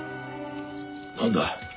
なんだ？